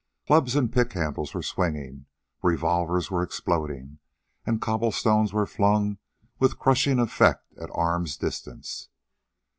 Clubs and pick handles were swinging, revolvers were exploding, and cobblestones were flung with crushing effect at arm's distance.